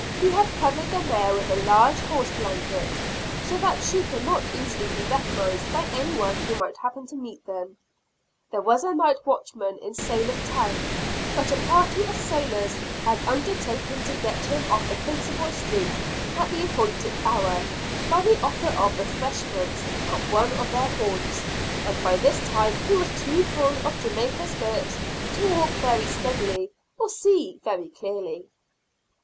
He had covered the mare with a large horse blanket, so that she should not easily be recognized by any one who might happen to meet them. There was a night watchman in Salem town; but a party of sailors had undertaken to get him off the principal street at the appointed hour, by the offer of refreshments at one of their haunts; and by this time he was too full of Jamaica spirits to walk very steadily or see very clearly.